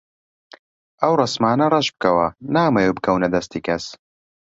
ئەو ڕەسمانە ڕەش بکەوە، نامەوێ بکەونە دەستی کەس.